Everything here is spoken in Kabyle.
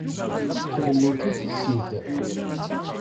Kemmlent i tissit.